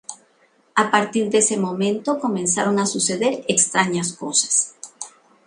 A partir de ese momento comenzaron a suceder extrañas cosas.